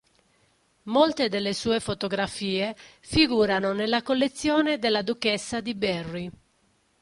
Molte delle sue fotografie figurano nella collezione della Duchessa di Berry.